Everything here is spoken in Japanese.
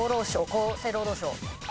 厚生労働省。